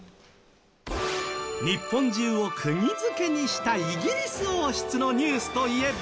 日本中をくぎ付けにしたイギリス王室のニュースといえば。